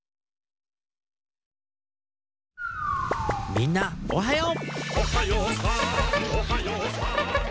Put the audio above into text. みんなおはよう！